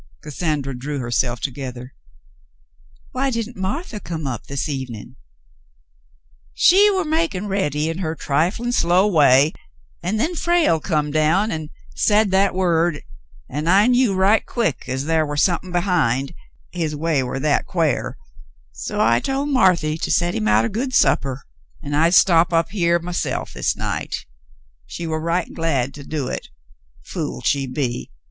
Cassandra drew herself together. "Why didn't Martha come up this evening ^" "She war makin' ready, in her triflin' slow way, an' then Frale come down an' said that word, an' I knew right quick 'at ther war somethin' behind — his way war that quare — so I told Marthy to set him out a good suppah, an' I'd stop up here myself this night. She war right glad to do hit. Fool, she be